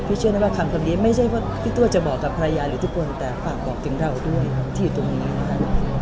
พี่เชื่อแน่ว่าคำคำนี้ไม่ใช่เพราะพี่ตัวจะบอกกับภรรยาหรือทุกคนแต่ฝากบอกถึงเราด้วยที่อยู่ตรงนี้นะคะ